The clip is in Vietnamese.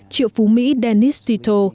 triệu phú mỹ dennis tito